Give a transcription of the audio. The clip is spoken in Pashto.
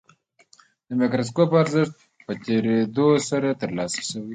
د مایکروسکوپ ارزښت په تېرېدو سره ترلاسه شوی.